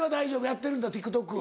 やってるんだＴｉｋＴｏｋ。